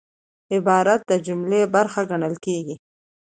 عبارت د جملې برخه ګڼل کېږي.